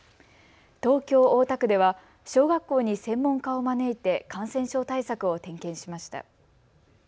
東京大田区では小学校に専門家を招いて感染症対策を点検しました。